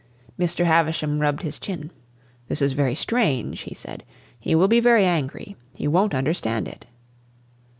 Mr. Havisham rubbed his chin. "This is very strange," he said. "He will be very angry. He won't understand it."